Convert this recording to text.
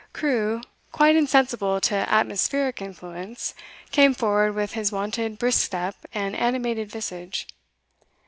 Crewe, quite insensible to atmospheric influence, came forward with his wonted brisk step and animated visage.